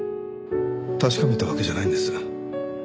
確かめたわけじゃないんです。